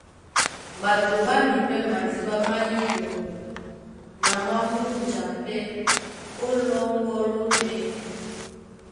Ɓato ɓá mipɛ́ madíɓá má yí toŋgo na má múnja pɛ́ ó lɔ́ŋgɔ́ lóndɛ́nɛ.